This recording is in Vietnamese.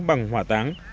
bằng hỏa táng